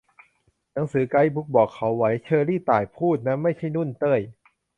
"หนังสือไกด์บุ๊กเขาบอกไว้" เชอรี่ ต่าย พูดนะ ไม่ใช่ นุ่น เต้ย